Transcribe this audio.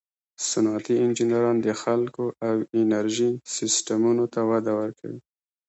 صنعتي انجینران د خلکو او انرژي سیسټمونو ته وده ورکوي.